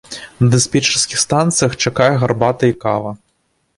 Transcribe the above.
На дыспетчарскіх станцыях чакае гарбата і кава.